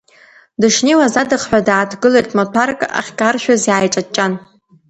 Дышнеиуаз адыхҳәа дааҭгылеит, маҭәарк ахькаршәыз иааиҿаҷҷан.